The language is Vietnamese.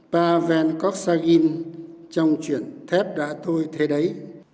paven korsagin trong chuyện thép đã tôi thế đấy